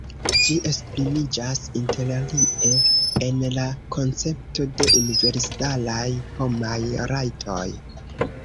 Ĝi esprimiĝas interalie en la koncepto de universalaj homaj rajtoj.